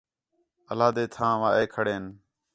عِلیحدہ تھانوا اَے کھڑین